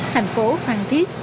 thành phố phan thiết